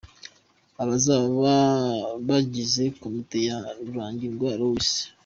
Abazaba bagize komite ya Rurangirwa Louis:.